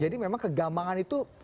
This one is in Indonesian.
jadi memang kegambangan itu terjadi